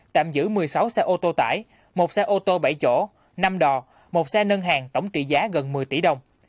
tạm giữ một mươi sáu xe ô tô tải một xe ô tô bảy chỗ năm đò một xe nâng hàng tổng trị giá gần một mươi tỷ đồng